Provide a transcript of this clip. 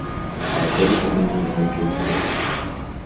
أعترف أني كنت مخطئًا.